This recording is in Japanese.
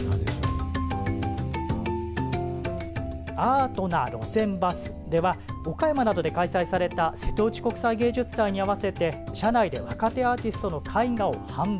アートな路線バスでは岡山などで開催された瀬戸内国際芸術祭に合わせて車内で若手アーティストの絵画を販売。